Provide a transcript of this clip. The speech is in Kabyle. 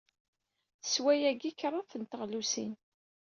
Teswa yagi kraḍt n teɣlusin.